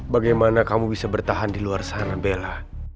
bagaimana kamu bisa bertahan di luar sana bella